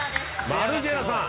マルジェラさん。